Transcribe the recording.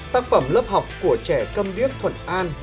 tác phẩm lớp học của trẻ câm điếp thuận an